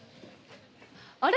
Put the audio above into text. あれ？